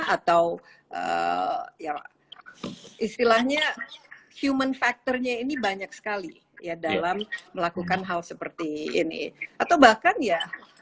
atau ya istilahnya human factornya ini banyak sekali ya dalam melakukan hal seperti ini atau bahkan ya